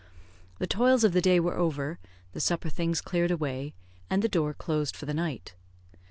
The toils of the day were over, the supper things cleared away, and the door closed for the night.